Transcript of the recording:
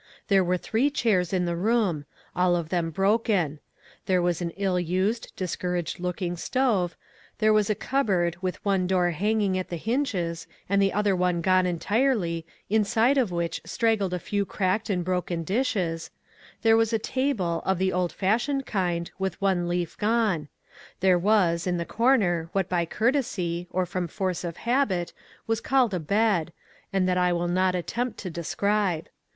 There were three chairs in the room — all of them broken ; there was an' ill used, discouraged looking stove ; there was a cupboard, with one door hanging at the hinges, and the other gone entirely, inside of which strag gled a few cracked and broken dishes ; there was a table, of the old fashioned kind, with one leaf gone ; there was, in the corner, what by courtesy, or from force of habit, was called a bed, and that I will not attempt to describe.